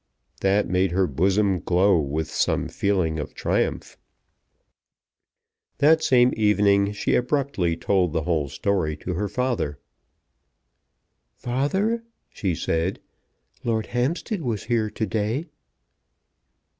That made her bosom glow with some feeling of triumph! That same evening she abruptly told the whole story to her father. "Father," she said, "Lord Hampstead was here to day."